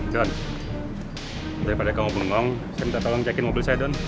don daripada kamu pun nolong saya minta tolong cekin mobil saya don